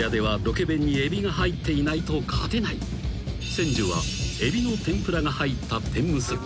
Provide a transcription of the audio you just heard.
［千寿はエビの天ぷらが入った天むす］